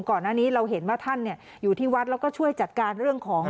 ก่อนหน้านี้เราเห็นว่าท่านอยู่ที่วัดแล้วก็ช่วยจัดการเรื่องของ